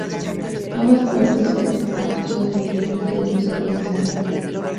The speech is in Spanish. Ambas partes se acusaron mutuamente de usar armas químicas.